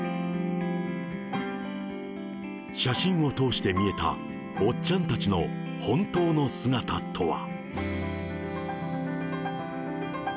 写真を通して見えたおっちゃんたちの本当の姿とは。